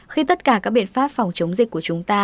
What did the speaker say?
khi tất cả các biện pháp phòng chống dịch của chúng ta